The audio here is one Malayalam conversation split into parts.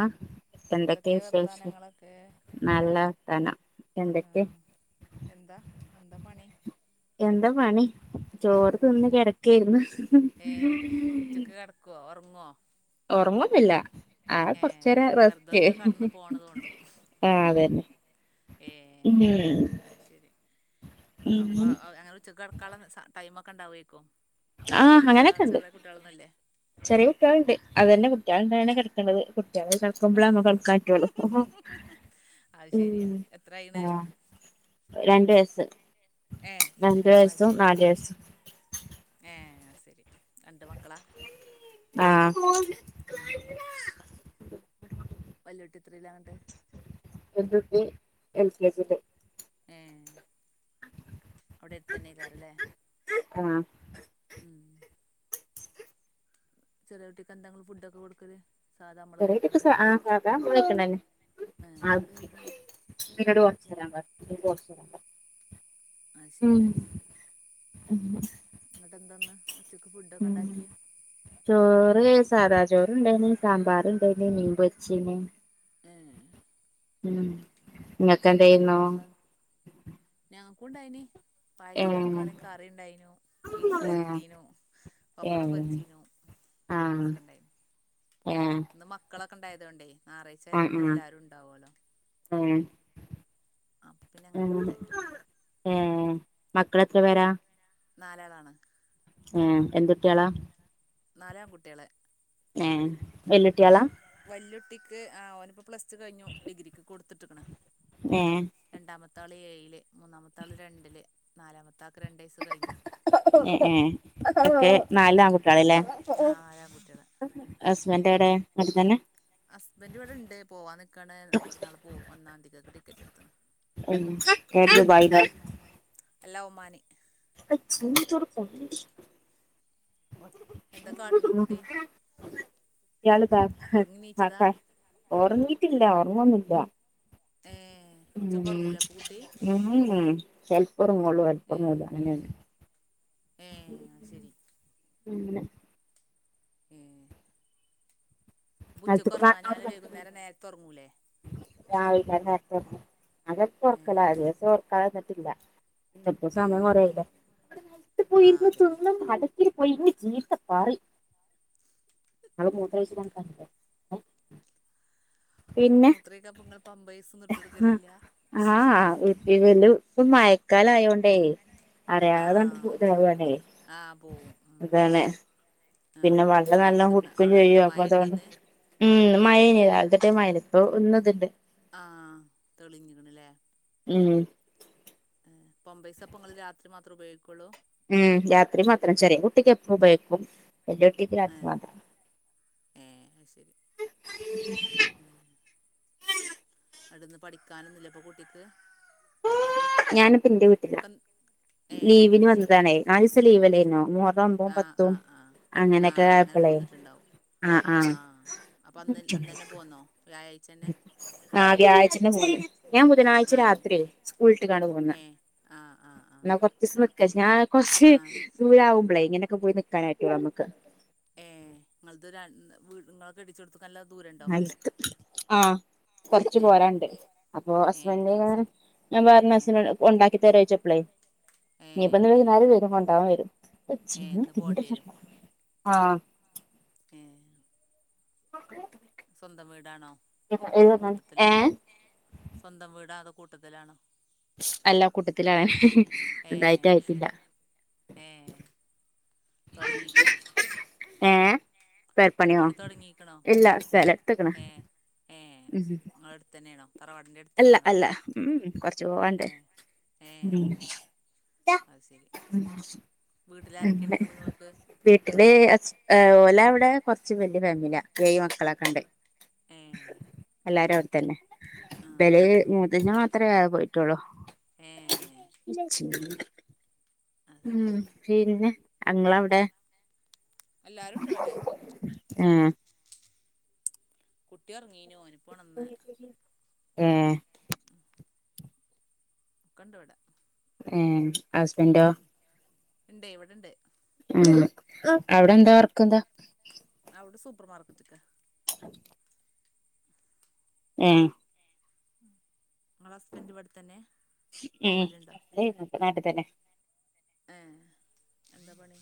ആ എന്തൊക്കെയ എന്തൊക്കെ വിശേഷം വർത്താനങ്ങളൊക്കെ നല്ല വർത്താനം ആ എന്തൊക്കെ എന്താ എന്താ പണി എന്താ പണി ചോറ് തിന്ന് കിടക്കായിരുന്നു ഓ ഉറങ്ങുമില്ല ആ കൊറച്ചേര വെറുതെ റസ്റ്റ്, ഒന്ന് കടന്ന് ആഹ് പോണത് കൊണ്ടും ആ അതന്നെ ഏ ഇന്നേ അത് ശരി അപ്പൊ അങ്ങനെ ഉച്ചക്ക് കടക്കാനുള്ള ടൈമെക്കെണ്ടാവേക്കോ ആഹ് അങ്ങനൊക്കെണ്ട്, ആ ചെറിയ കുട്ടികളുണ്ട് അത് തന്നെ കുട്ടിയേൾ ഉള്ളോണ്ടന്നെ കിടക്കുന്നത് കുട്ടിയാൾ കിടക്കുമ്പോള നമ്മക്ക് കിടക്കാൻ പറ്റോള്ളൂ അത് ശെരിയാ എത്രായിണ് രണ്ടു വയസ്സും നാല് വയസ്സും ഏ അത് ശരി രണ്ട് മക്കളാ ആഹ് വെല്ലുട്ടി എത്രയിലാവണ്ട് വെല്യൂട്ടി എൽകെജി യിൽ ഏ അവിടെ അടുത്തന്നേക്കാറല്ലേ ആഹ ഉം ചെിലവട്ടിക്ക്െ എന്തെങ്കും ഫുഡ്ൊക്കെ കൊടുക്കത് ചറ ഇപ്പ ആ സ മോിക്കണ്ടന്നെ ഏഹ് ആ ട് വച്ചരാ വ വച്ചരാ അ ശരി ഉം എന്നിട്ട എന്താന്ന് ഉച്ച ഉ ചോറ് സാധാ ചോറ്ുണ്ടായിന സാമ്പാർ അ എന്ത നീൻ വച്ചനെ ഏഹ് ഉ നിങ്ങക്ക് എന്ത ചെയ്യുന്ന കൊണ്ടായിനി പായക്കിന്റെ തക്കാളിയും കറി ഉണ്ടായിനു ബീഫ് ഏഹ് വരട്ടീനോ പപ്പടം ഏഹ് പൊരച്ചീനു ആഹ് ക്കെണ്ടായി ഏഹ് മക്കളൊക്കെ കക്കണ്ടായതുകൊണ്ടേ ായറാഴ്ച ആയതൊണ്ട് ആഹ് ആഹ് എല്ലാരും ഉണ്ടാവല്ലോ ആ ഏർ മക്കളെത്ര പേരാ നാലാളാണ് ആഏ എന്തൊക്കെയാളാ നാലാം കുട്ടികള ഏ വെല്ലുട്ടിയ ആള വല്ലുട്ടിക്ക് ആ ഓനിപ്പൊ പ്ലസ് ടു കയിഞ്ഞു ഡിഗ്രിക്ക് കൊടുത്തിട്ട്ണ്ട് ഏഹ് രണ്ടാമത്ത ആള് ഏഴില് മൂന്നാമത്താള് രണ്ടില് നാലാമത്താ ഉം ഉം അപ്പേ നാലില് ആവ് ലല്ലേ ആഹ് നാലാൺകുട്ടികള് ഹസ്ബൻഡവിടെ നാട്ടി തന്നെ ഹസ്ബൻറ് ഇവിടെ ണ്ട് പോവാ നിക്കാണ് മറ്റന്നാൾള് പോവും ഒന്നാം തീയതിക്കൊക്ക് ടിക്കറ്റ് എടു ദുബായിലാ അല്ലാ ഒമാനി [unintelligible] അ ചന്ിച്ചറ കൊണ്ട എന്താ കാട്ടിണ കുട്ടി ഇയാള് ആ ഒറങ്ങി നീച്ചതാ ഉം ഓർങ്ങിട്ടില്ല ഒറങ്ങുന്നില്ല ഏഹ് ഉച്ചക്ക് ഉം ഒറങ്ങൂലെ അപ്പൊ കുട്ടി ഉം [unintelligible] ഉറങ്ങുള്ളൂ ഏഹ് [unintelligible] അങ്ങനെയന്നെ ഏഹ് അത് ശരി [unintelligible] ഉം ഏഹ് ഉച്ചയ്ക്ക് നിലത്ത് ഉറങ്ങാഞ്ഞാല് വൈകുന്നേരം നേരത്ത് ഉറങ്ങൂലേ- രാവിലെ നേര അതൊ ഉറപ്പുള്ള ഏഹ് കാര്യ ഉറക്കാതിരൂന്നിട്ടില്ല എപ്പോ സമയം ഏഹ് കുറെആയിലെ [unintelligible] ആഹ് അതന്നെ ഇത്തിരി പോയിന്ന ചീത്താകരി ന മൂത്രാഴച [unintelligible] പിന്നെ മൂത്രൊഴിക്കാൻ ഇപ്പൊ ഇങ്ങള് പമ്പേഴ്സൊന്നും ഇട്ടൊടുക്കലില്ല ആഹ് ഉപ്പ വലും ഇപ്പൊ മയക്കാല ആയോണ്ടേ ആഹ് അതാണ് അറിയാതണ്ട്ണേ ആഹ് പോവും ഉം അതാണ് പിന്നെ ആഹ് വെള്ളം നലോണം മയത്തുണ്ട് കുടുക്കയും അവിടെ ഇണ്ടോ ചെയ്യും അപ്പൊ മഴ അതുകൊണ്ട് ഇണ്ടന്ന് ഉ ഉം മഴനതതിട്ട് മഴൽ ഇപ്പോ ഇന്നതുണ്ട് ആഹ് തെളിഞ്ഞില്ലേ ഉമ് പാമ്പേഴ്സ് പ്പം നിങ്ങൾ രാത്രി മാത്രം ഉപയോഗിക്കുള്ളൂ ഉമ് രാത്രി മാത്രം ചെറിയ കുട്ടിക്ക് എപ്പ ഉബൈക്കും വല്ല്യ കുട്ടിക്ക് രാത്രി ഏഹ് മാത്രം ഏഹ് അത് ശരി അട്ന്ന് പഠിക്കാനൊന്നുല്ല ഇപ്പൊ കുട്ടിക്ക് പ്പം ഇന്റെ വീട്ടില ഒക്കെ ഏഹ് ലീവിന് അത് ശരി വന്നതാണേ നാല് സം ലീവലേരുന്നോ മുഹറം ഒമ്പും ആഹ് പത്തും ആഹ് ആഹ് അങ്ങനെയൊക്കെ ആഹ് അങ്ങനെ ആയപ്പളേ പോന്നിട്ടുണ്ടാവും ആഹ് അപ്പൊ അന്ന് അന്ന് ന്നെ പോന്നോ വ്യാഴ് ആഹ് വ്യാഴ്ചന്നെ പോന്ന് ഞാൻ ബുധനാഴ്ച ഏഹ് രാത്രിയെ സ്കൂൾ ട്ട്ങ്ങാണ്ട് പോന്ന് ഏഹ് ആഹ് ആഹ് ആഹ് ന്നാ കൊർച്ചീസം നിക്കാച്ച് ഞാൻ കൊറച്ച് ആഹ് ദൂരാകുമ്പളേ ഇങ്ങനെയൊക്കെ പോയി നിക്കാനെറ്റുള്ളൂ നമ്മക്ക്. ഏഹ് നിങ്ങളത് രണ് വീ ഇങ്ങളെ കെട്ടിച്ചോട്ത് [unintelligible] ആഹ്‌ കൊറച്ച് ഏഹ് പോരാണ്ട് അപ്പൊ ഏഹ് ഹസ്ബന്റ് അത് കാരം ശരി ഞാൻ പറഞ്ഞു ഏഹ് ഹസിനോട് കുണ്ടാക്കി തരോ യ്ചപ്പ്ളേ ഇനി ഇപ്പന്ന് വൈന്നേരം ഏഹ് വരും. കൊണ്ടാവാൻ വരും. ഏഹ് ഇന്ന് പോണ്ടി വരും [unintelligible] ആഹ് ഏഹ് സ്വന്തം വീടാണോ? [unintelligible] കൂട്ടത്തിലാണോ ഏഹ് സ്വന്തം വീടാ അതോ കൂട്ടത്തിലാണോ അല്ല കൂട്ടത്തിലാ ഏഹ് ന്തായിട്ട് അത് ആയിട്ടില്ല. ശരി തൊടങ്ങീക്ണോ? പെരപ്പണിയോ ഇല്ല സലം ട്ത്ക്ണ്. ഏ ഏ ഉമ് ഉമ് ശരി നിങ്ങള അടുത്ത് തന്നെയാണോ തറവാടിന്റെ അടുത്ത് അല്ല തന്നെയാണോ അല്ല ഉമ് ഉമ് കൊറച്ചു പോവാണ്ട്. ഏ ഏ ഉം അത് ശരി വീട്ടിൽ ആരൊക്കെയുണ്ട് [unintelligible] നിങ്ങൾക്ക് വീട്ടില് ഹസ് ഏ ഉം ഓലെവിടെ കുറച്ച് വല്യയ ഫാമിലിയ ഏയ്‌ മക്കളൊക്കെണ്ട്. ഏ എല്ലാരും അവുടത്തന്നെ ആ ആ ബല് ആ മൂത്തച്ഛ അത്രയാ പോയിട്ടോളൂ. ഏ അത് ഉം ശരി പിന്നെ അങ്ങളവിടെ എല്ലാരും ഉണ്ട് വടെ. ഏഹ്. കുട്ടി ഒറങ്ങീനു ഓനിപ്പോണന്ന്. ഏഹ്. ഒകൊണ്ടുവിടെ. ഏ ഹസ്ബൻഡോ? ഉണ്ട് ഇവിടെണ്ട്. ഉം അവിടെന്താ? വർക്കന്താ? അവിടെ സൂപ്പർ മാർക്കറ്റൊക്കെ ഏഹ്. ങ്ങളെ ഹസ്ബൻഡ് ഇവിടെത്തന്നെ പോവലുണ്ടോ? നാട്ടിതന്നെ. ഏ എന്താ പണി?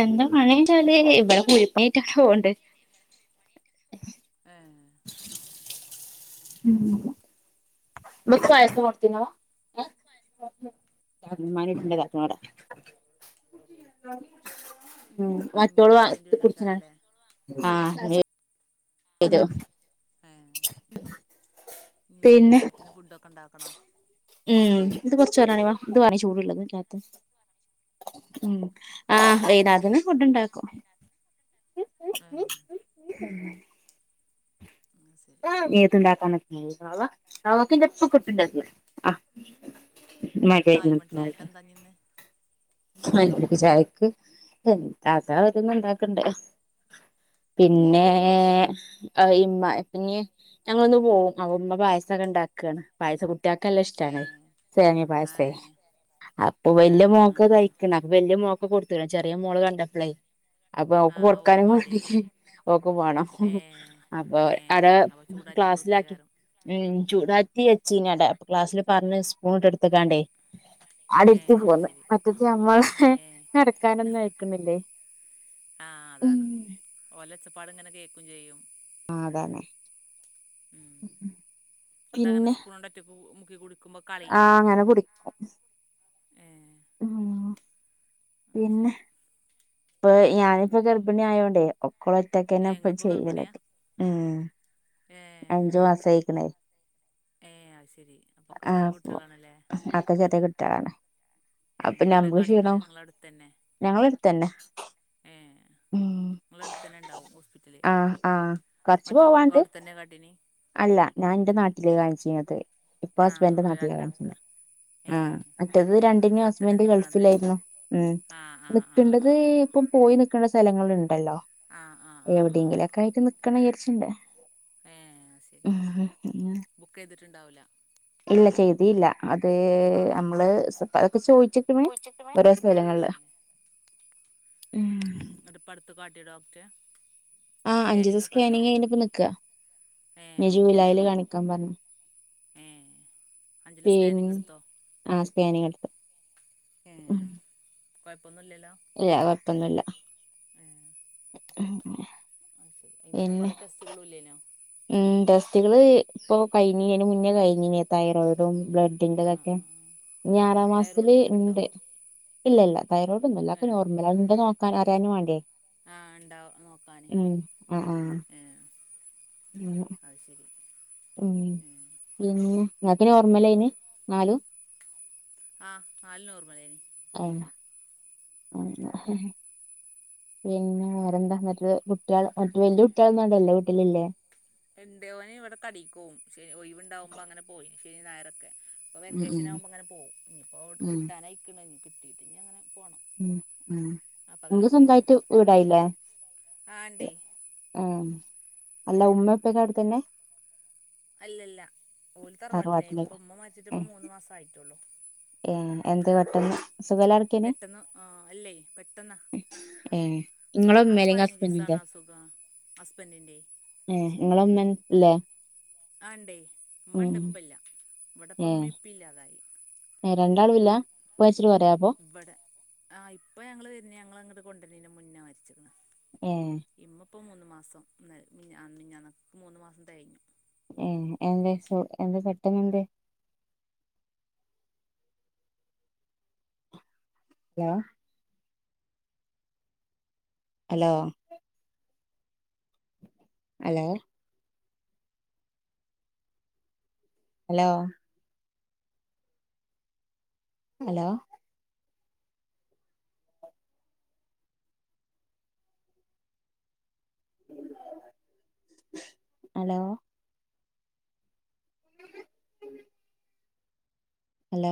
എന്താ പണീച്ചാല് ഇവടെ കുഴപ്പെല്ലാണ്ട് പോണ്ണ്ട്. പണിണ്ട [inaudible] [inaudible] അത് ശരി ഉം ഇന്ന് മറ്റോള് ഹസ്ബൻഡ് ടുത് കുടിച്ചനാണ്. വരേക്കാരല്ലേ ഇത് ഏ ഇനി പിന്നെ വൈകുന്നേരത്തിന് ഫുഡൊക്കെണ്ടാക്കണോ? ഉം ഇത് കുറച്ചവരാണി വ ഇ ദവണ ചൂടുള്ളത് തായത് ഉം ആ വൈന്നാരത്തിന് ഫുഡുണ്ടാക്കും. ആ ഉം ശരി ഏത്ണ്ടാക്കാന് വാവ വാവക്കിന്റടുത്തിന്ന് കിട്ടുംപ്പ ആ നാല് മണിച്ചായക്കെന്താ പിന്നെ? ചായക്ക് എന്താ താത്ത ഓരോന്ന് ഇണ്ടാക്കണ്ട്‌. ഏ പിന്നേ. ആ ഇമ്മ പി ഞങ്ങളൊന്ന് പോവും അവ ഉമ്മ പായസൊക്കെ ഇണ്ടാക്കാണ് പായസു കു ട്ടാക്ക് ല്ല ഏ ഇഷ്ടാണ് സേമ്യാ ആ പായസെ അപ്പൊ ആ വലിയോ മോ ആ ആ ക്ക് വലിയ മോള്ക്ക് കൊടുത്ത് ചെറിയ മോള് കണ്ടപ്പളേ അപ്പൊ ആ ഓക്ക് കൊടുക്കാനും ഓക്കും വാണ്ടി വരും മാണ്ടിട്ട്. ഓക്കും വാണം ഏ അപ്പൊ ഏ അര അപ്പൊ ചൂടാറ്റി ക്ലാസിലാക്കി. കൊടുക്കേകാരം ഉം ചൂടാ. ത്തി വെച്ചീനാടെ പ്പൊ ഗ്ലാസ്സില് പാർന്ന് സ്പൂണ ഇട്ട് എടുത്തക്കാണ്ടേ ഏ അടെര്ത്തി അത് പോന്ന്. ശരി നമ്മള ഏ നടക്കാനൊന്നും അയിക്കുന്നില്ലേ. ആ അതാണ് ഓലെച്ചപ്പാട് ഇങ്ങനെ കേൾക്കും ചെയ്യും. ആഹ അതാണ്. ഉം ട്ടങ്ങനെ സ്പൂണോണ്ട്‌ ഒറ്റക്ക് മുക്കി കുടി ആഹ അങ്ങനെ കുടിക്കും. മ്ആഹ. അ ശരി. ഇപ്പൊ ഞാനിപ്പോ ഗർഭിണി ആയോണ്ടേ. ഓൾറ്റക്കെന്നെ ഏ ഇപ്പ ഇങ്ങളിപ്പോ ഗർഭിണിയാ ചെയ്ലക്കെ ഉം ഏ അഞ്ചു മാസ ആയിക്കണേ. ഏ അത് ശെരി അപ്പൊക്കെ ആ ചെറിയ അപ്പ് കുട്ടികളാണല്ലേ അപ്പോ ചെറിയ കുട്ടീയേള്ളാണ്. അപ്പൊ എങ്ങട്ട് നമ് എവിടെ [unintelligible] കാണിക്കണ ക്ഷീണോ നിങ്ങള അടുത്തന്നെ ഞങ്ങളെടുത്തന്നെ ഉം. നിങ്ങളടുത്തന്നെണ്ടാവും ഹോസ്പിറ്റല് ആഹ് ആഹ് കൊറച്ച് മറ്റൾക്കൊക്കെ പോവാണ്ട് അവിടെതന്നെ കാട്ടീനി. അല്ല ഞാൻന്റെ നാട്ടില് കാണിചീനത് ഇപ്പൊ ആ ഹസ്ബൻന്റെ അത് നാട്ടില രണ്ടാക്ക് കാണിക്ക്ന്നെ. ഏ ആഹ് മറ്റേത് ഇനി രണ്ടിനും അവിടെത്തന്നെ ഹസ്ബന്റ് നിക്കണത് ഗൾഫിലാരുന്നു ഉം. ആ ആ ആ നിക്കണ്ടത് ആ ഇപ്പം പോയി നി ക്കണ്ട സ്ഥലങ്ങളുണ്ടല്ലോ ആ ആ ആ ആ എവിടെയെങ്കിലൊക്കെ ആയിട്ട് നിക്കണെചാരിച്ചിണ്ട്. ഏ ഉംഹ് പിന്നെ. ണ്ടാവുല്ല. ഇല്ല ചെയ്തീലാ അത് അമ്മള് അതൊക്കെ ചോയി ച്ക്ക്ണ് ഒരേ സ്ഥലങ്ങൾല്. ന്നട്ട് പ്പടുത്ത പാട്ടിയ ഡോക്ട്രെ. ആഹ് അഞ്ചുതെസ്കാനിങ് കയിന്ന്പ്പൊ നിക്ക ഏ ഇനി ജൂലൈൽ കാണിക്കാൻ പറഞ്. ഏ അഞ്ചില് പിൻ സ്കാനിങ് എടുത്തോ ആഹ് സ്കാനി ഏ ഉം. കൊഴപ്പൊന്നുമില്ലല്ലോ ഇല്ല കൊഴപ്പൊന്നുല്ല. അയിന്റെപ്പം പിന്നെ കൊറെ ടെസ്റ്റുകളും ഇല്ലേനോ. ഉം ടെസ്റ്റകള് ഇപ്പൊ കയിഞ്ഞി അയിന് മുന്നേ കയിഞ്ഞീനി തയ്റോടും. ആ ബ്ലഡിന്റെതക്കെ ആ ഇനി ആ ഏ ആറാം തൈറോയ്ഡ് മാസത്തില് നിങ്ങൾക്കുണ്ടോ ഇണ്ട്. ഇല്ല ഇല്ല തൈറോയ്ഡ് ഒന്നുല്ല ക്ക നോർമല ണ്ടാന്ന് നോക്കാൻ അറിയാനും വേണ്ട്യേ. ആഹ് ണ്ടാവ് നോക്കാന് ആഹ് ഏഹ്. ആഹ് അഹ് ശരി. ഉം ഏ പിന്ന ങ്ങക്ക് നോർമൽനി നാലും. ആഹ് നാലും നോറമലെനി. ആയിനോ ഉം. [unintelligible] പിന്നെ വേറെന്താ ന്നട്ട് കുട്ട്യേൾ മറ്റ വല്യെ കുട്ട്യേള്ന്ന് [unintelligible] ആണ്ട ല്ലെ [unintelligible] വീട്ടിലിലെ. എന്തെ ഓൻ ഇവടെ കടീക്കോവും ശെ നി ഒഴിവുണ്ടാവുമ്പോ അങ്ങനെ പോയി ശനി ഞായറൊക്കെ. ഇപ്പൊ ഉം വെക്കേഷനാവുമ്പോ ഇങ്ങനെ പോവും. ഇഞ്ഞ്പ്പോ എവ്ട് ഉം കിട്ടാനായ്‌ക്ണ്. ഇഞ് കിട്ടീട്ട് ഞ്ഞങ്ങനെ. ഉം ഉം ഇങ്ങക്ക് പോവും സ്വന്തായിട്ട് വീടായില്ലേ. ആ ഇണ്ടേ ഉം അല്ല ഉമ്മപ്പക്കവിട് തന്നെ. അല്ലല്ല ഓലു തറവാട്ടില്ലേ ഇപ്പ ഇമ്മ മരിച്ചിട്ട് ഇപ്പൊ ഏഹ് മൂന്ന് മാസം ആയി റ്റൊള്ളു. ഏഹ് എന്തെ പെട്ടെന്ന് സുഖലാതെക്കേനി പെട്ടെന്ന് ആ അല്ലേ പെട്ടെന്നാ ഏഹ് ഇങ്ങളെ ആകെ ഉമ്മല്ലെ പതിനഞ്ച് ഹസ്ബൻഡന്റെ ദിവസമാണ് അസുഖം ഹസ്ബൻഡിൻ്റെ ഏഹ് ഇങ്ങള ഉമ്മ ല്ലേ. ആ ഇണ്ടേയ് ഇമ്മണ്ട് ഇപ്പല്ല ഇവിടപ്പം ഇമ്മേം ഇപ്പേം ഇല്ലാതായി ഏഹ് രണ്ടാളു ഇല്ലാ ഇപ്പ മരിച്ചിട്ട് കൊറേ ആപ്പൊ ആഹ് ഇപ്പ ഞങ്ങള് വെര്ന്ന ഞങ്ങള് അങ്ങട്ട് കൊണ്ട്രണ്ണേയ്ന്റെ മുന്ന മര്ച്ക്ക്ണ് ഏഹ് ഇപ്പൊ മൂന്നു മാസം മിഞ്ഞാന്നക്ക് മൂന്നു മാസം തെയ്ഞ്ഞ് ഏഹ് എന്തെ സ് എന്തെ പെട്ടന്നെന്തേ ലോ hello hello hello hello hello hello